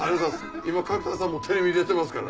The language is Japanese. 今角田さんもテレビ出てますから。